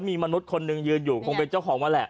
มีมนุษย์คนหนึ่งคงเป็นเจ้าของมาแหละ